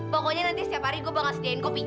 pokoknya nanti setiap hari gue bakal sediain kopi